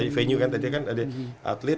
venue kan tadi kan ada atlet